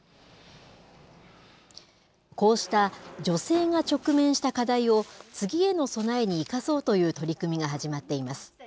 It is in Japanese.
こうした女性が直面した課題を、次への備えに生かそうという取り組みが始まっています。